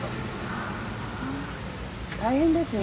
はあ大変ですね。